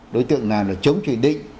đối tượng nào là chống chỉ định